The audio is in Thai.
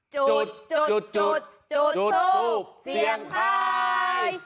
จุดจุดจุดจุดถูกเสียงไข่